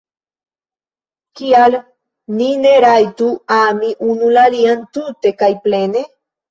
Kial ni ne rajtu ami unu la alian tute kaj plene?